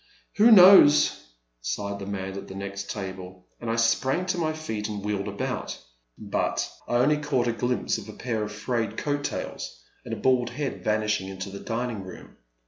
" Who knows," sighed the man at the next table, and I sprang to my feet and wheeled about. But I only caught a glimpse of a pair of frayed coat tails and a bald head vanishing into the dining room.